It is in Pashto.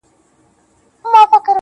د پامیر لوري یه د ښکلي اریانا لوري.